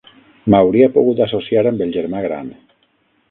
M'hauria pogut associar amb el germà gran.